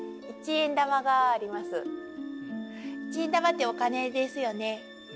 一円玉ってお金ですよね。